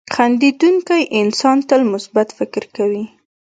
• خندېدونکی انسان تل مثبت فکر کوي.